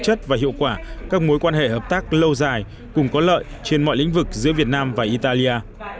chất và hiệu quả các mối quan hệ hợp tác lâu dài cùng có lợi trên mọi lĩnh vực giữa việt nam và italia